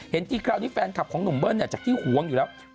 ทีคราวนี้แฟนคลับของหนุ่มเบิ้ลจากที่หวงอยู่แล้ว